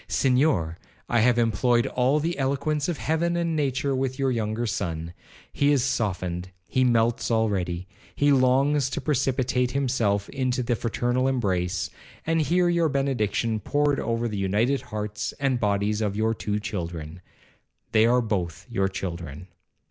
'Senhor, I have employed all the eloquence of heaven and nature with your younger son. He is softened,—he melts already,—he longs to precipitate himself into the fraternal embrace, and hear your benediction poured over the united hearts and bodies of your two children,—they are both your children.